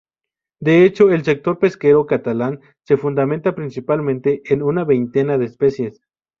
De hecho, el sector pesquero catalán se fundamenta principalmente en una veintena de especies.